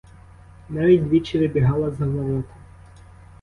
Навіть двічі вибігала за ворота.